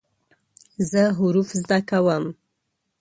زه حروف زده کوم.